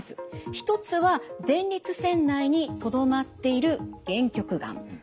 １つは前立腺内にとどまっている限局がん。